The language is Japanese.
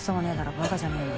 バカじゃねぇの。